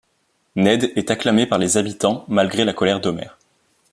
Ned est acclamé par les habitants malgré la colère d'Homer.